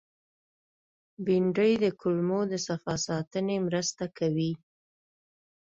بېنډۍ د کولمو د صفا ساتنې مرسته کوي